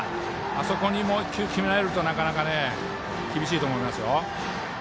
あそこにもう１球決められるとなかなか厳しいと思いますよ。